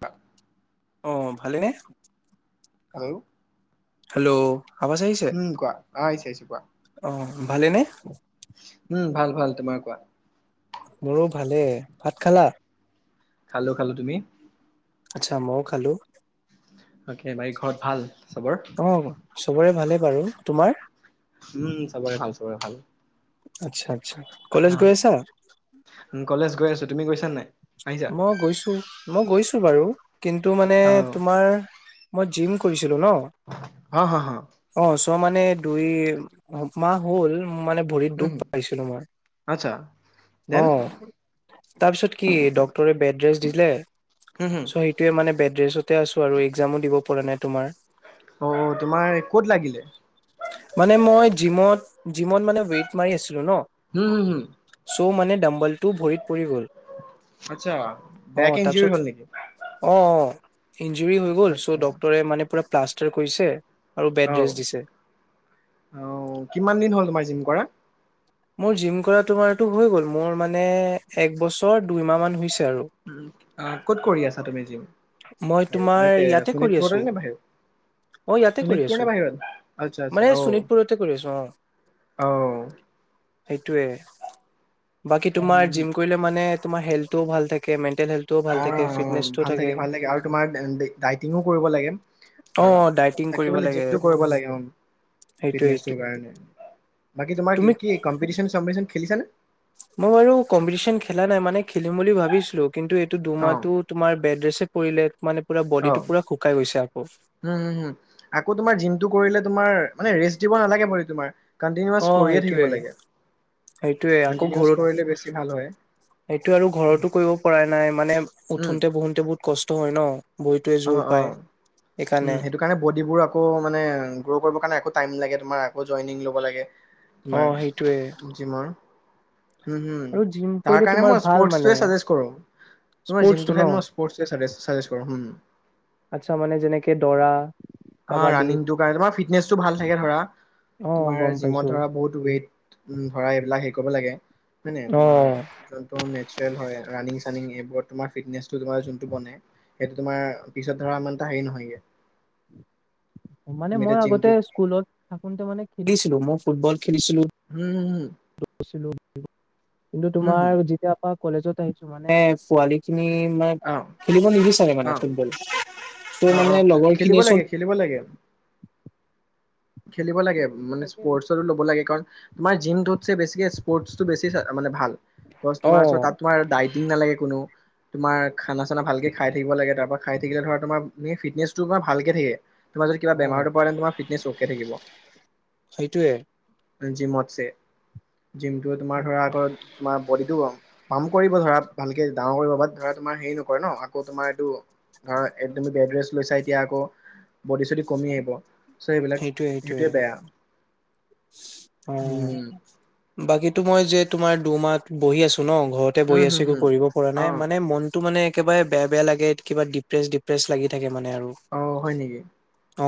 ত অ ভালেনে hello hello আৱাজ আহিছে উম কোৱা আ আহিছে আহিছে কোৱা ভালে নে উম ভাল ভাল তোমাৰ কোৱা মোৰো ভালে ভাত খালা? খালো -খালো তুমি? আচ্ছা মওঁ খালো অ কে বাকি ঘৰত ভাল চবৰ? অ চবৰে ভালে বাৰু তোমাৰ উম', চবৰে ভাল। চবৰে ভাল। আচ্ছা। আচ্ছা, কলেজ হা গৈ আছা? কলেজ গৈ আছো তুমি গৈছা নাই? আহিছা মই গৈছো -মই গৈছো বাৰু কিন্তু মানে অ তোমাৰ মই জিম কৰিছো। সেইটো ন, হ হ হ। অহ চ মানে দুই দু মাহ হ'ল মানে ভৰিত উম দুখ হুম পাইছিলো মই, আচ্ছা দেন অহ । তাৰপিছত কি ড বেদ্ৰেছ বেড্ৰেছ দিলে? চ, হুম হুম সেইটোয়ে মানে বেড্ৰছত তে আছো আৰু একজামো দিব পৰা নাই তোমাৰ। অ, তোমাৰ ক'ত লাগিল? মানে মই জিমত, জিমত মানে ৱেইট মাৰি আছিলো ন হুম হুম হুম । চ' মানে ডম্বলটো ভৰিত পৰি গ'ল। আচ্ছা, অ বেক ইঞ্জুৰি তাৰপিছত হ'ল নেকি? অ অ ইঞ্জুৰি হৈ গ'ল, আচ্ছা চ ডক্টৰে মানে পুৰা প্লাষ্টাৰ কৰিছে। আৰু বেড আহ, ৰেষ্ট দিছে আহ, কিমান দিন হ'ল তোমাৰ জিম কৰা? মোৰ জিম কৰা তোমাৰটো হৈ গল, মোৰ মানে এক বছৰ দুইমাহ মান হৈছে আৰু আহ, ক'ত কৰি আছা তুমি জিম মই আৰু তোমাৰ মানে তে ইয়াতে কৰি আছো শোণিতপুৰত নে অ বাহিৰত ইয়াতে কৰি শোণিতপুৰ আছো নে বাহিৰত? আচ্ছা, মানে আচ্ছা, শোণিতপুৰতে কৰি আছো আহ', আহ। সেইটোৱে। বাকী উম তোমাৰ জিম কৰিলে মানে তোমাৰ হেল্থও ভাল থাকে ম অ, ভাল থাকে, ভাল লাগে আৰু তোমাৰ ডাইটিঙো কৰিব লাগে অ আৰু ডাইটিং থাকি কৰিব লাগে জিমটো কৰিব লাগে অ, সেইটোয়ে ফিটনেচটোৰ সেইটোয়ে কাৰণে বাকী তোমাৰ তুমি কি কম্পিটিচন সম্পিটিচন খেলিছা নে? মই বাৰু কম্পিটিচন খেলা নাই মানে খেলিম বুলি ভাবিছিলো। কিন্তু এইটো অ দুমাহটো তোমাৰ বেডৰেছে পৰিলে মানে পুৰা অ, বডিটো পুৰা শুকাই গৈছে আকৌ হম হম হম আকৌ তোমাৰ জিমটো কৰিলে তোমাৰ মানে ৰেষ্ট দিব নালাগে মানে তোমাৰ কন্টিনিউৱাচ অ, কৰিয়ে থাকিব সেইটোৱে, লাগে সেইটোৱে আকৌ কন্টিনিউৱাচ ঘৰত কৰিলে বেছি ভাল হয় সেইটো আৰু ঘৰতো কৰিব পৰা নাই মানে উম উঠোতে বহোতে বহুত কষ্ট টো হয় ন। বডীটোৱে অ জোৰ অ পায় উম সেইকাৰণে সেইটো কাৰণে বডিবোৰ আকৌ মানে গ্ৰ' কৰিবৰ কাৰণে আকৌ টাইম লাগে তোমাৰ আকৌ জইনিং লব লাগে, অ সেইটোয়ে তোমাৰ জিমৰ হুম হুম, আৰু জিম তাৰ কৰিলে কাৰণে তোমাৰ মই ভাল মানে স্পৰ্টছটোৱে চাজেষ্ট কৰো, তোমাৰ স্পৰ্টচটো জিমটোৰ ন ঠাইত মই স্পৰ্টছটোৱেই চাজেষ্ট কৰো। আচ্ছা মানে যেনেকে দৌৰা অ কাবাডী ৰাণীং যোগাৰ, এইবোৰত ফিটনেচটো ভাল থাকে ধৰা, অ তোমাৰ গম পাইছো জিমত ধৰা, বহুত ৱেইট ধৰা এইবিলাক ক'ব লাগে। হয়নে, অ তোমাৰ যোনটো নেচুৰেল হয় ৰাণীং ৰানিং এইবোৰত তোমাৰ ফিটনেচটো তোমাৰ যোনটো বনে, সেইটো তোমাৰ পিছত ধৰা সিমান এটা হেৰি নহয়গে। মানে, তুমি মই এতিয়া আগতে জিমটো স্কুলত থাকোতে মানে খেলিছিলো মই ফুটবল, উ'মম গৈছিলোঁ বোলো [inaudible] কিন্তু হুম হুম হুম তোমাৰ যেতিয়া পৰা কলেজত আহিছো, মানে পোৱালি মানে, অ খেলিব নিবিচাৰে অ মানে, ফুটবল ত' অ অ মানে লগৰ খেলিব খিনিয়ে লাগে চব খেলিব লাগে খেলিব লাগে মানে স্পৰ্টচতো ল'ব লাগে, কাৰণ তোমাৰ জিমটোত চে বেছিকে স্পৰ্টটো বেছি মানে ভাল, অ তোমাৰ ওচৰত তাত তোমাৰ ডাটিং নালাগে কোনো। তোমাৰ খানা চানা ভালকে খাই থাকিব লাগে, তাৰ পৰা খাই থাকিলে ধৰা তোমাৰ ফিটনেচটো তোমাৰ ভালকে থাকে। তোমাৰ যদি কিবা বেমাৰটো পৰে তোমাৰ ফিটনেচটো সেইটোৱে জিমত ছে। জিমটোৱে তোমাৰ ধৰা, আকৌ তোমাৰ বডিটো ৰং কাম কৰিব ধৰা, ভালকে ডাঙৰ কৰিব বাট ধৰা, তোমাৰ হেৰি নকৰে ন আকৌ তোমাৰ এইটো ধৰা একদমে বেটৰেছ লৈছা। এতিয়া আকৌ বডি চদি কমি আহিব। ছ' এইবিলাক সেইটোয়ে সেইটোয়ে এইটোৱে বেয়া অ উম বাকী তোমাৰ যে তোমাৰ দুমাহ বহি আছো। ন ঘৰতে বহি উম আছো, হুম একো হুম কৰিব পৰা অ নাই মানে মন তো মানে একেবাৰে বেয়া, বেয়া লাগে কিবা ডিপ্ৰেছ, ডিপ্ৰেছ লাগি থাকে। মানে আৰু অ হয় নেকি,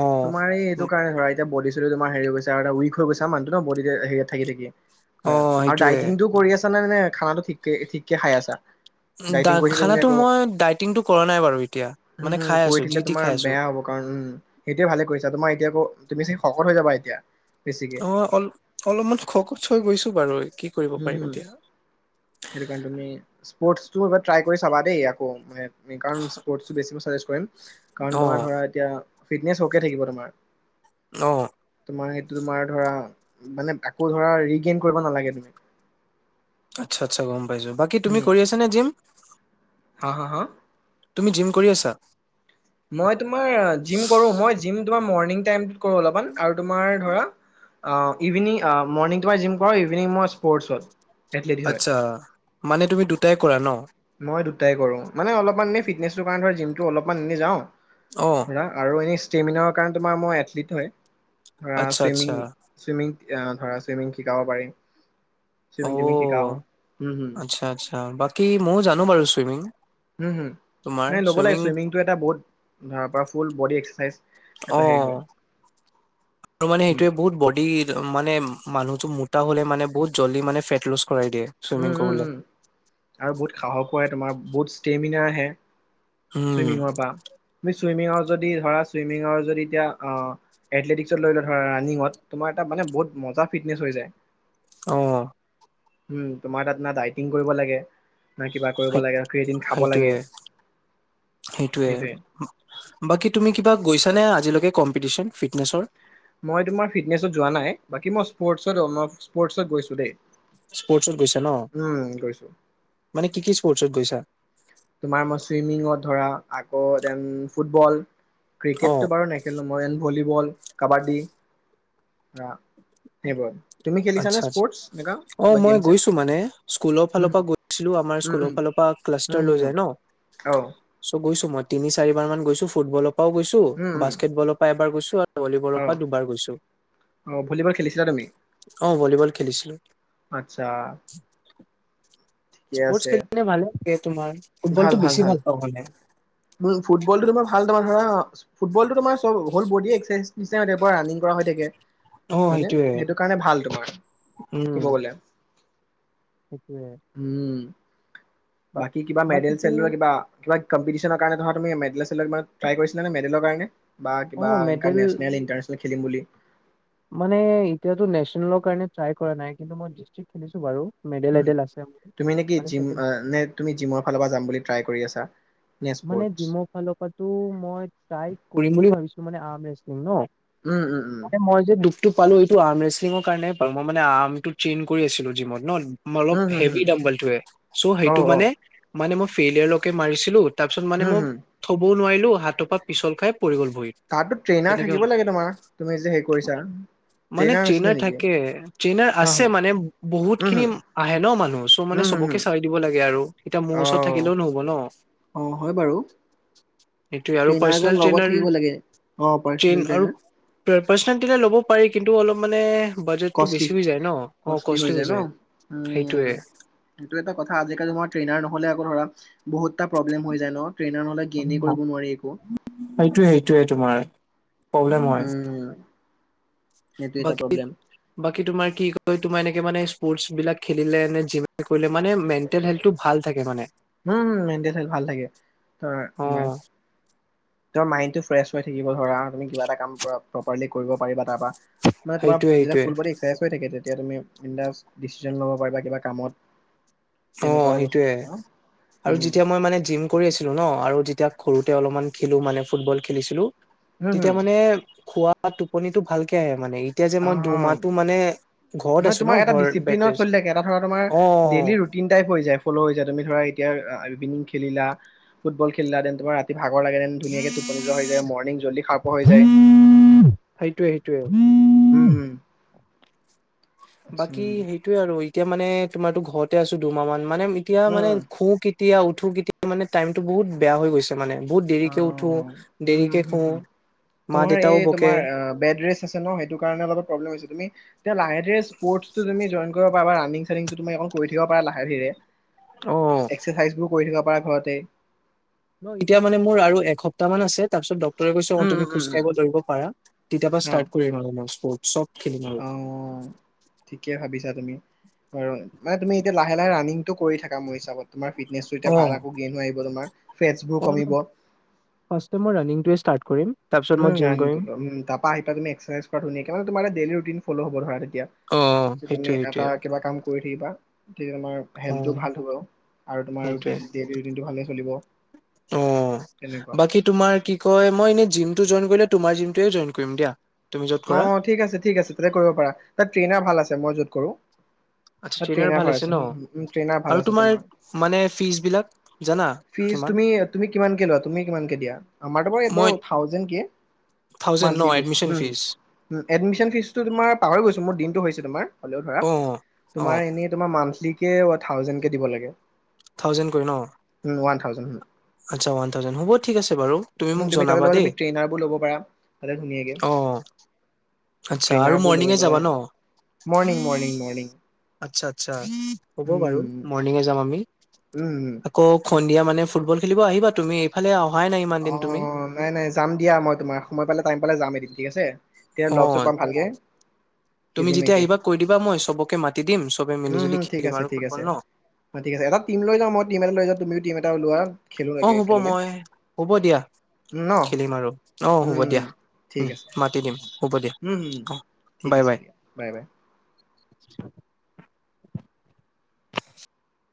অ তোমাৰ এই এইটো কাৰণে হয় এতিয়া বডি সেইটো তোমাৰ হেৰি হয় গৈছে, আৰু উইক হৈ গৈছে, মানুহটো ন বডি হে থাকি, থাকি অ হয়, আৰু সেইটোয়ে ডাইটিং টোও কৰি আছা নে নে? খানাটো ঠিকে ঠিককে খাই আছা? ডাইটিং কৰি থাকিলে তুমি খানাটো আকৌ মই ডাইটিংটো কৰা নাই বাৰু এতিয়া উম মানে হুম খাই কৰি আছো যি থাকিলে টি তোমাৰ খাই আছো বেয়া হ'ব কাৰণ উম সেইটোয়ে ভালে কৰিছা তোমাৰ এতিয়া আকৌ তুমি শকত হৈ যাবা এতিয়া বেছিকে অ অল অলপমান শকত হৈ গৈছো বাৰু কি কৰিব উম পাৰিম হম এতিয়া হেতু কাৰণে তুমি স্পৰ্টছ তোৰ বাবে ট্ৰাই কৰি চাবা দেই আকৌ মানে কাৰণ স্পৰ্টছ ও বেছি কৰিম কাৰণ অ তোমাৰ ধৰা এতিয়া ফিটনেচ অকে থাকিব তোমাৰ অহ তোমাৰ সেইটো তোমাৰ ধৰা মানে আকৌ ধৰা ৰিগেইন কৰিব নালাগে তুমি আচ্ছা আচ্ছ গম পাইছো বাকি তুমি উম কৰি আছা নে জিম হা হা হা তুমি জিম কৰি আছা মই তোমাৰ জিম কৰো মই জিম তোমাৰ মৰ্ণিং টাইম কৰো অলপমান আৰু তোমাৰ ধৰা ইভিনিং আ মৰ্নিং তোমাৰ জিম কৰো ইভিনিং মই স্পৰ্টছ ত আচ্ছা মানে তুমি দুটাই কৰা ন মই দুটাই কৰো মানে অলপমান ফিটনেচ তোৰ কাৰণ জিম টো অলপমান এনেই অ যাওঁ আৰু এনেই ষ্টেমিনাৰ কাৰণে তোমাৰ মোৰ এথলিট হয়। ধৰা আচ্ছা আচ্ছা চোইমিং-চোইমিং এ ধৰা চুইমিং শিকাব পাৰি। অ চুইমিং টুইমিং শিকাও হম হম আচ্ছা-আচ্ছা বাকি ময়ো যা নো বাৰু ছুইমিং। হোম, নাই ল'ব লাগে, চুইমিং টো এটা বহুত ধৰা পোৰা ফুল বডী এক্স সাইচ অ আৰু মানে উম সেইটোৱে বহুত বডি মানে মানুহ মোটা হলে মানে বহুত জল্দি মানে ফেট লছ উম-উম-উম আৰু বহুত সাহসো হয় তোমাৰ বুড ষ্টেমিনা আহে উম চুইমিঙৰ পৰা। মিছ চুইমিঙৰ যদি ধৰা চুইমিঙৰ যদি এতিয়া এথলেটিকছত লৈ লওঁ ধৰা ৰানিঙত তোমাৰ এটা মানে বহুত মজা ফিটনেছ হৈ যায়। অ উম তোমাৰ তাত না ডাইটিং কৰিব লাগে না কিবা কৰিব সেইত লাগে ক্ৰিয়েটিন খাব লাগে সেইটোয়ে-সেইটোয়ে সেইটোৱে বাকী তুমি কিবা গৈছানে? আজিলৈ কম্পিটিশ্যন ফিটনেচৰ? স্পদ, মই স্পৰ্টছত গৈছো দেই। স্পৰ্টচত গৈছা উম গৈছো ন? কি কি স্পৰ্টচত গৈছা? তোমাৰ মই চুইমিঙত ধৰা আকৌ দেন ফুটবল অ' ক্ৰিকেটটো বাৰু নেখেলো মই এন ভলীবল কাবা্ডী, সেইবোৰত। আচ্ছা-আছ অ মই চেম গৈছো মানে, স্কুলৰ ফালৰ উম পৰা গৈছিলো, আমাৰ উম স্কুলৰ উম ফালৰ পৰা ক্লাষ্টাৰ উম লৈ হুম যাই ন অ চ গৈছ। মই তিনি চাৰিবাৰ মান গৈছো ফুটবলত ও গৈছো, বাস্কেটবল পৰা এবাৰ গৈছ আহ, আহ ভলীবল খেলিছিলা তুমি? অ ভলীবল খেলিছিলোঁ। আচ্ছা। ঠিকে স্পৰ্টছ আছে খেলিলে ভালে থাকে তোমাৰ ফুটবলটো বেছি ভাল পাওঁ মানে [inaudible] বোলো ফুটবল টো মানে তোমাৰ ভাল তোমাৰ ধৰা ফুটবলটো তোমাৰ চব হল বডি এক্সাৰ চাইজ। পিছে দেউবাৰে ৰাণিং কৰা হৈ থাকে অ' হয়নে সেইটোয়ে সেইটো কাৰণে ভাল তোমাৰ। উম কব গলে। সেইটোয়ে। উম। বাকী কিবা মেডেল চেডেলৰ কিবা কিবা। কম্পিটিছ কাৰণ ধৰা তুমি মেডেল ছেডেলৰ ওপৰত ট্ৰাই কৰিছিলা নে মেডেলৰ কাৰণে বা কিবা অ' বা মেডেল ইণ্টাৰনিছনেল ইণ্টাৰনিছনেল। খেলিম বুলি মানে, এতিয়াতো নেচনেলৰ কাৰণে ট্ৰাই কৰা নাই কিন্তু মই ডিষ্ট্ৰিক্ট খেলিছো বাৰু। মেডেল এডেল আছে মোৰ। তুমি নেকি মানে জিম, ছেকেণ্ড নে তুমি জিমৰ ফাল পৰা যাম বুলি ট্ৰাই কৰি আছা। নে মানে স্পৰ্টছ? জিমৰ ফালৰ পৰাটো মই ট্ৰাই কৰিম বুলি ভাবিছোঁ । মানে আৰ্ম ৰেশ্লিং ন। উম, উম, উম । টো পালো এইটো আম ৰেচলিঙৰ কাৰণে পালো, মই মানে আৰ্মটো ট্ৰেইন কৰি আছিলো জিমত ন। অলপ উম হুম হেভি হুম দাম্বলটোয়ে, চ' অ সেইটো অ মানে মানে মই ফেইলিয়াৰলৈকে মাৰিছিলো। তাৰপিছত মানে হুম মোক হুম থব নোৱাৰিলো হাতৰ পৰা পিছল খাই পৰি গল ভৰিত তাতো ট্ৰেইনাৰ তেনেকে থাকিব হল, লাগে তোমাৰ তুমি যে হেৰি কৰিছা মানে আছিলে ট্ৰেইনাৰ নেকি? থাকে, ট্ৰেইনাৰ অ হ আছে মানে বহুত উম খিনি হুম আহে ন মানুহ, চ' মানে উম হুম চবকে হুম চাই দিব লাগে আৰু এতিয়া মোৰ অ ওচৰত থাকিলেও নহ'ব ন। অ, হয় বাৰু। সেইটোয়ে আৰু ট্ৰেইনাৰজন পাৰ্চনেল লগত ট্ৰেইনৰ, থাকিব লাগে। অ ট্ৰেইন পাৰ্চনেল আৰু ট্ৰেইনাৰ পাৰ্চনেল ট্ৰেইন ল'ব পাৰি। কিন্তু অলপ মানে ‍ বাজেটটো কষ্টলি, বেছি হৈ যায় ন অ কষ্টলি হৈ যায় ন উম, সেইটোয়ে সেইটো এটা কথা আজিকালি মই ট্ৰেইনাৰ নহলে আকৌ ধৰা বহুতটা প্ৰব্লেম হৈ যায় ন, ট্ৰেইনাৰ হ'লে অ সেইটোৱে, সেইটোৱে তোমাৰ । প্ৰব্লেম হয়। উম সেইটো এটা বাকী, প্ৰব্লেম বাকী তোমাৰ কি কয় তোমাৰ এনেকে। মানে স্পৰ্টছ বিলাক খেলিলে এনে জিম কৰিলে মানে মেন্টেল হেল্থটো ভাল থাকে মানে, উম মেণ্টেল হেল্থ ভাল থাকে ধৰ অ। ফ্ৰেচ হৈ থাকিব ধৰা, তুমি কিবা এটা ধৰা পাৰিলে কৰিব পাৰিবা তাৰপৰা মানে তোমাক সেইটোয়ে যেনে সেইটোয়ে ফুল বডি এক্সৰচাইজ হৈ যে । তেতিয়া তুমি, বিন্দাচ ডিচিজন ল'ব পাৰিবা কিবা কামত অ তেনেকুৱা সেইটো, য়ে বস্তু আৰু উম যেতিয়া মই মানে জিম কৰি আছিলো ন আৰু যেতিয়া সৰুতে অলপমান খেলো মানে ফুটবল খেলিছিলোঁ। হম তেতিয়া মানে খোৱা তাত টোপনিতো ভালকে আহে। মানে এতিয়া যে মই হম অ দুমাহটো মানে ঘৰত মানে আছো ন তোমাৰ এটা ঘৰত ডিচিপ্লিনত বেডৰেষ্ট চলি থাকে এটা ধৰা তোমাৰ অ। ডেইলি ৰুটিন টাইপ হৈ যায়, ফল হৈ যায়, তুমি ধৰা এতিয়া [unintelligible] খেলিলা ফুটবল খেলিলা দেন তোমাৰ ভাগৰ লাগে যেন ধুনীয়াকে টোপনি যোৱা হৈ যায় মৰ্ণিং জল্দি হাৰ পোৱা হৈ যায়। সেইটোয়ে সেইটোয়ে উম আচ্ছা বাকী সেইটোয়ে আৰু এতিয়া মানে তোমাৰতো ঘৰতে আছো দুমাহ মান মানে এতিয়া মানে উম খু এতিয়া উঠো কেতিয়া মানে টাইমটো বহুত বেয়া হৈ গৈছ অ উম হ শু হ মা তোমাৰ দেউতাও এই বকে তোমাৰ বেদ ৰেচ আছে ন সেইটো কাৰনে প্ৰবলেম হৈছে তুমি এতিয়া লাহে ধীৰে স্পৰ্ট তুমি জইন কৰিব পাৰা। [unintelligible] কৰি থাকিব পাৰা লাহে ধীৰে অ এক্সাৰচাইজ বোৰ কৰি থাকিব পাৰা ঘৰতে। অ এতিয়া মানে মোৰ আৰু এসপ্তাহ মান আছে তাৰপিছত তই কৈছ অ উম তুমি উম খোজ উম উম কাঢ়িব পাৰা তেতিয়া পা ষ্টাৰ্ট অ কৰিম আৰু। চ অ ঠিকেই ভাবিছা। তুমি [unintelligible] মানে তুমি এতিয়াাহে লাহে ৰানিংটো কৰি থাকা মোৰ হিচাপত তোমাৰ ফিটনেছটো এতিয়া ভাল আকৌ গেইন হৈ আহিব তোমাৰ। ফেটছবোৰ কমিব। ফাৰ্ষ্টটো মই ৰানিংটো ষ্টাট কৰিম। তাৰপিছত মই উম জিম ৰানিং কৰিম কৰিব উম তাপা আহি পাই তুমি এক্সাৰ চাইজ কৰা ধুনীয়াকে তুমাৰ এটা ডেইলি ৰুটিন ফল হ'ব ধৰা অ এতিয়া সেইটোৱে তুমি সেইটোৱে এটা কিবা কাম কৰি থাকিবা। গতিকে তোমাৰ অ হেল্থটো ভাল হ'ব আৰু তোমাৰ সেইটোৱে ডেইলি ৰুটিনটো ভালেই চলিব। অ তেনেকুৱা। বাকী তোমাৰ কি কয় মই এনে জিম জইন কৰিলে তোমাৰ জিমটোৱে জইন কৰিম দিয়া । অ ঠিক আছে ঠিক আছে তাতে কৰিব পাৰা তাত ট্ৰেইনাৰ ভাল আছে । মই য'ত কৰোঁ । তাত ট্ৰেইনাৰ ভাল আছে উম উম উম ত্ৰেইনাৰ ভাল আছে তোমাৰ। মানে ফিজ বিলাক জানা ফিচ কিমান তুমি কিমানকে লোৱা? তুমি কিমানকে দিয়া? আমাৰ বাৰু মই থাউজেণ্ড কে। থাউজেণ্ড ন এডমিশ্চন ফিচ? এডমিশ্চন ফিচটো তোমাৰ পাহৰি গৈছো, মোৰ দিনটো হৈছে, তোমাৰ হ'লেও ধৰা অ এয়া অ তোমাৰ এনেই তোমাৰ মাহ মান্থলিকে থাউজেনকে দিব লাগে। থাউজেণ্ড কৈ ন? উম ওৱান থাউজেণ্ড। আচ্ছাওৱান থাউজেণ্ড হ'ব ঠিক আছে বাৰু! উ মোক তুমি তাতে জনাবা লগত দেই তুমি ট্ৰেইনাৰবোৰ ল'ব পাৰা তাতে ধুনীয়াকে! অ আচ্ছা আৰু ট্ৰেনাবোৰ লৈ মৰ্ণিঙে যাবা পেলাই, ন মৰ্ণিং মৰ্ণিং মৰ্ণিং আচ্ছা আচ্ছা! হ'ব বাৰু মৰ্ণিঙে যাম আমি । উম উম! সন্ধিয়া মানে ফুটবল খেলিব আহিবা তুমি এইফালে আহ অ নাই নাই যাম দিয়া মই তোমাৰ, সময় পালে টাইম পালে যাম এদিন । ঠিক আছে । তেওঁ অ লগ চগ পাম ভালকে তুমি খেলিম যেতিয়া একেউম আহিবা কৈ দিবা মই চবকে মাতি দিম চবে মিলি জুলি উম! ঠিক খেলিম আছে, আৰু ঠিক ফুটবল আছে, ন ঠিক আছে এটা টিম লৈ যাও মই টিম এটা লৈ যাওঁ তুমি টিম এটা লোৱা খেলো অ লাগে হ'ব একেলগে । মই হ'ব দিয়া খেলিম আৰু অ হ'ব উম দিয়া ঠিক আছে মাতি উম দিম হ'ব দিয়া উম, অ ঠিক বাই আছে বাই দিয়া বাই। । [unintelligible] [unintelligible]